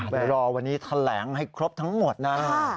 ไปรอวันนี้แถลงให้ครบทั้งหมดนะ